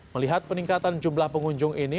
melihat peningkatan jumlah pengunjung ini